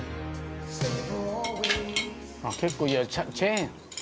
「結構いやチェーン！」